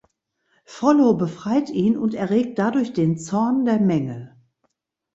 Frollo befreit ihn und erregt dadurch den Zorn der Menge.